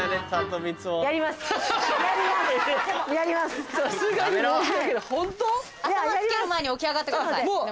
頭つける前に起き上がってください。